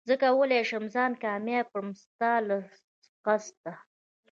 زه کولي شم ځان کامياب کړم ستا له قصده